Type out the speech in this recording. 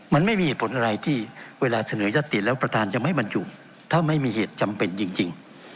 มันไม่มีเหตุผลอะไรที่เวลาเสนอยัตติแล้วประธานจะไม่บรรจุถ้าไม่มีเหตุจำเป็นจริง